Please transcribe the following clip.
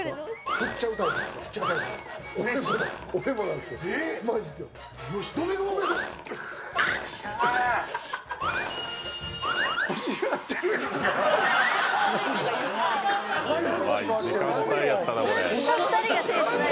振っちゃうタイプ。